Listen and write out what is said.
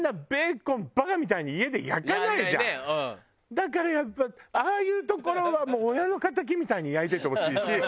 だからやっぱああいう所はもう親の敵みたいに焼いててほしいし。